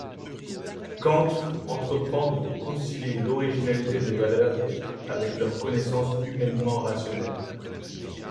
Kant entreprend de concilier l'originalité des valeurs avec leur connaissance humainement rationnelle.